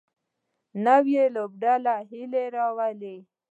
نوې لوبډله هیله راولي